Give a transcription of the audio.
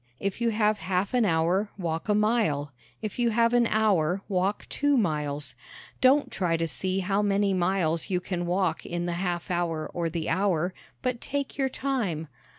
If you have half an hour walk a mile. If you have an hour walk two miles. Don't try to see how many miles you can walk in the half hour or the hour, but take your time.